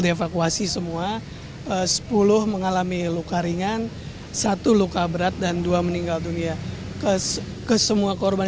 dievakuasi semua sepuluh mengalami luka ringan satu luka berat dan dua meninggal dunia kesemua korban